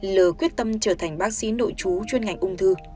lờ quyết tâm trở thành bác sĩ nội chú chuyên ngành ung thư